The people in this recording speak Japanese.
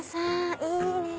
いいね。